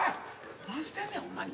何してんねんほんまに。